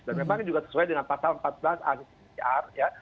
dan memang ini juga sesuai dengan pasal empat belas asispr